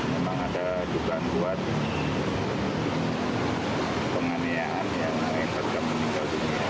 memang ada jugaan buat penganiayaan yang tergabung di dunia